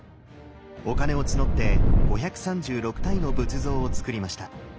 お金を募って５３６体の仏像をつくりました。